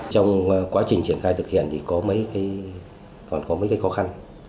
trong quá trình triển khai thực hiện thì còn có mấy cái khó khăn